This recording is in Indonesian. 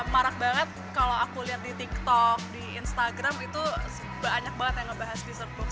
marak banget kalau aku lihat di tiktok di instagram itu banyak banget yang ngebahas di surplus